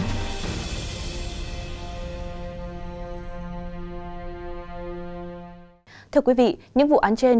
hãy đăng ký kênh để nhận thông tin nhất